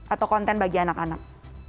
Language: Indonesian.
atau konten bagi anak anak